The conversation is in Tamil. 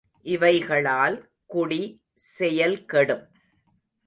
இவைகளால் குடி செயல் கெடும்!